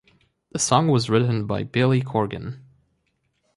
The song was written by Billy Corgan.